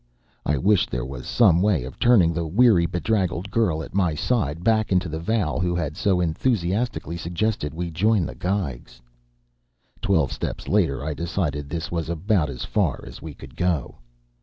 I wished there was some way of turning the weary, bedraggled girl at my side back into the Val who had so enthusiastically suggested we join the Geigs. Twelve steps later, I decided this was about as far as we could go.